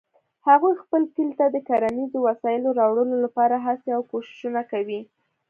هغوی خپل کلي ته د کرنیزو وسایلو راوړلو لپاره هڅې او کوښښونه کوي